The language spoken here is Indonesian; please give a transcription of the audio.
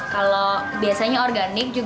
kalau biasanya organik